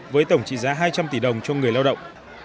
với tổng trị giá hai trăm linh tỷ đồng cho người lao động